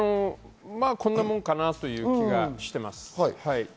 こんなものかなという気がしています。